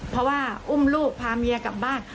เพราะว่าอุ้มลูกพาเมียกลับบ้าน